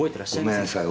ごめんなさい。